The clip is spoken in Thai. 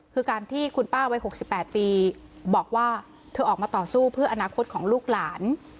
คือการที่คุณป้าวัย๖๘ปีบอกว่าเธอออกมาต่อสู้เพื่ออนาคตของลูกหลาน